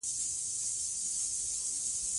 په هېواد کې د هندوکش تاریخ اوږد دی.